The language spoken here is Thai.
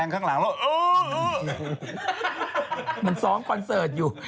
ก็ไม่รู้